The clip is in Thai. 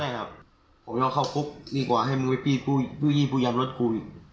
ใช่ครับผมอยากเข้าฟุกดีกว่าให้มึงไปปีนผู้ยี่ผู้ยี่พยามรถกูอีก